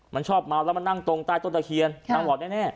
มันชอบเมาแล้วมานั่งตรงใต้ต้นตะเคียนนางบอกแน่